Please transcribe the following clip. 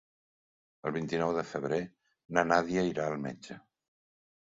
El vint-i-nou de febrer na Nàdia irà al metge.